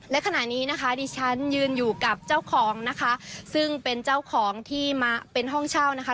และขณะนี้นะคะดิฉันยืนอยู่กับเจ้าของนะคะซึ่งเป็นเจ้าของที่มาเป็นห้องเช่านะคะ